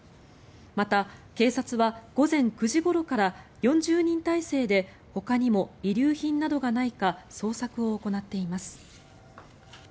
また、警察は午前９時ごろから４０人態勢でほかにも遺留品などがないか捜索を行っています。